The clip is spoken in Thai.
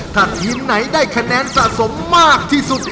ถ้าทีมไหนได้คะแนนสะสมมากที่สุด